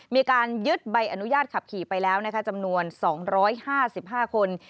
มีการยึดใบอนุญาตขับขี่ไปแล้วนะคะจำนวน๒๕๕คน